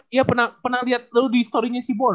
iya pernah liat lu di story nya si bono